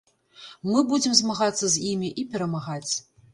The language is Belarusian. Мы будзем змагацца з імі і перамагаць.